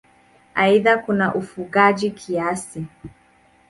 Aidha kuna ufugaji kiasi.